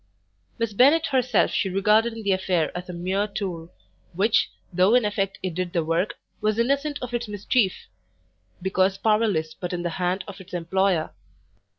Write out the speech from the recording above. Miss Bennet herself she regarded in the affair as a mere tool, which, though in effect it did the work, was innocent of its mischief, because powerless but in the hand of its employer.